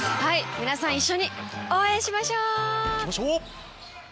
皆さん一緒に応援しましょう！